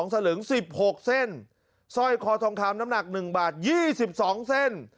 สลึงสิบหกเส้นสร้อยคอทองคามน้ำหนักหนึ่งบาทยี่สิบสองเส้น